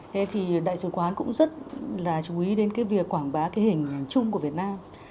thế thì đại sứ quán cũng rất là chú ý đến cái việc quảng bá cái hình ảnh chung của việt nam